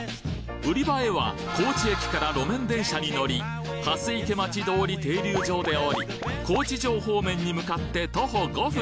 売り場へは高知駅から路面電車に乗り蓮池町通停留所で降り高知城方面に向かって徒歩５分